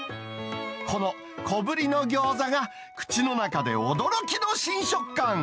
この小ぶりの餃子が口の中で驚きの新食感。